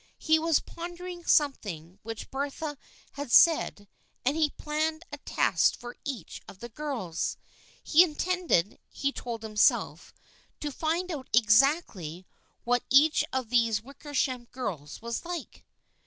He was pondering something which Bertha had said and he planned a test for each of the girls. He intended, he told himself, to find out exactly what each of those Wickersham girls was like.